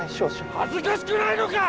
恥ずかしくないのか！